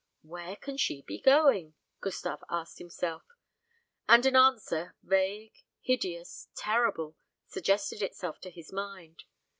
"Where can she be going?" Gustave asked himself; and an answer, vague, hideous, terrible, suggested itself to his mind.